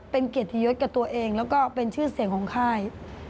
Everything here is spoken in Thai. เป็นเกียรติยศกับตัวเองแล้วก็เป็นชื่อเสียงของค่าย